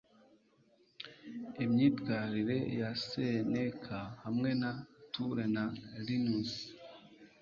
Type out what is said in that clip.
Imyitwarire ya Seneka hamwe na Tulle na Linus